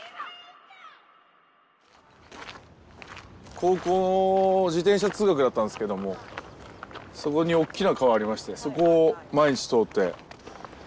高校自転車通学だったんですけどもそこにおっきな川がありましてそこを毎日通って。